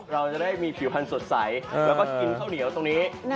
เราจะได้มีผิวพันธุ์สดใสแล้วก็กินข้าวเหนียวตรงนี้